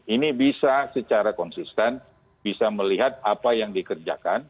ini bisa secara konsisten bisa melihat apa yang dikerjakan